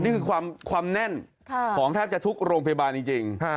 นี่คือความแน่นของแทบจะทุกโรงพยาบาลจริง